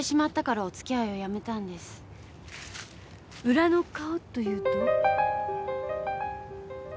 裏の顔というと？